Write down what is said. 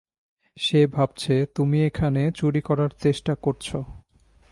সে ভাবছে তুমি এখানে চুরি করার চেষ্টা করছো।